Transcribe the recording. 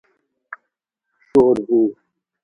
شور و.